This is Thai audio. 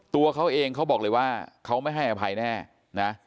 ตัวเขาเองเขาบอกเลยว่าเขาไม่ให้อภัยแน่นะ